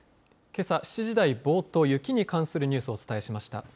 けさ７時台冒頭、雪に関するニュースをお伝えしました。